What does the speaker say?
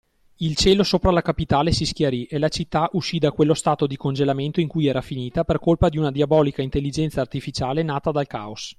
Il cielo sopra la capitale si schiarì e la città uscì da quello stato di congelamento in cui era finita per colpa di una diabolica intelligenza artificiale nata dal caos.